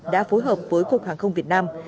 đã phối hợp với cục hàng không việt nam